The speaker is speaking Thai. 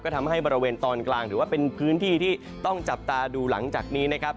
ทำให้บริเวณตอนกลางถือว่าเป็นพื้นที่ที่ต้องจับตาดูหลังจากนี้นะครับ